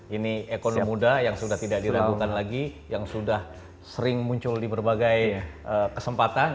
ini ekonomi muda yang sudah tidak diragukan lagi yang sudah sering muncul di berbagai kesempatan